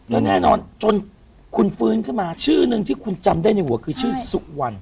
แล้วแน่นอนจนคุณฟื้นขึ้นมาชื่อหนึ่งที่คุณจำได้ในหัวคือชื่อสุวรรณ